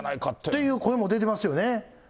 っていう声も出てますよね。